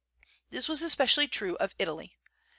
This was especially true of Italy.